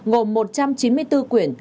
gồm một trăm chín mươi bốn quyển